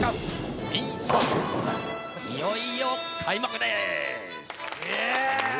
いよいよ開幕です！